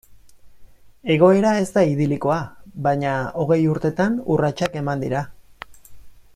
Egoera ez da idilikoa, baina hogei urtetan urratsak eman dira.